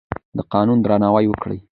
د قانون درناوی وکړئ.